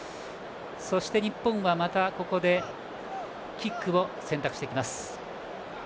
そして日本はまたここでキックを選択。